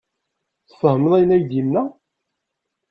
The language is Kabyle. Tfehmeḍ ayen ay d-yenna?